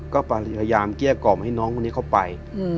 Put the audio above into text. ก็พยายามเกลี้ยกล่อมให้น้องคนนี้เข้าไป